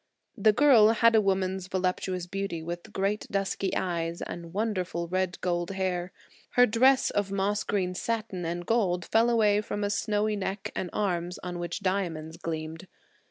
The girl had a woman's voluptuous beauty with great dusky eyes and wonderful red gold hair. Her dress of moss green satin and gold fell away from snowy neck and arms on which diamonds gleamed.